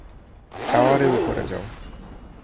টাওয়ারের উপরে যাও।